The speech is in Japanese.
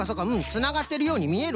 つながってるようにみえるな。